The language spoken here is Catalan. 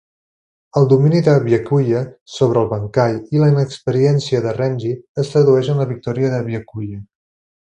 El domini de Byakuya sobre el bankai i la inexperiència de Renji es tradueix en la victòria de Byakuya.